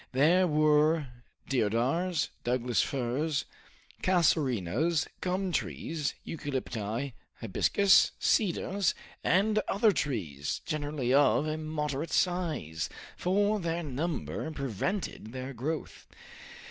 There were deodars, Douglas firs, casuarinas, gum trees, eucalypti, hibiscus, cedars, and other trees, generally of a moderate size, for their number prevented their growth.